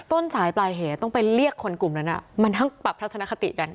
ต้นสายปลายเหตุต้องไปเรียกคนกลุ่มนั้นมานั่งปรับทัศนคติกัน